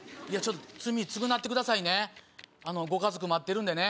罪償ってくださいねご家族待ってるんでね。